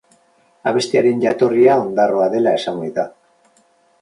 Abestiaren jatorria Ondarroa dela esan ohi da.